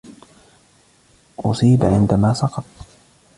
أُصيب عندما سقط.